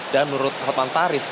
dan menurut hukuman taris